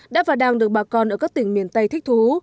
đã và đang được bà con ở các tỉnh miền tây thích thú